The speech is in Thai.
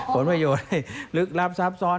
ผลประโยชน์ลึกลับซับซ้อน